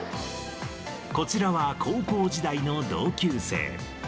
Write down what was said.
こちらは高校時代の同級生。